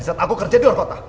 saat aku kerja di luar kota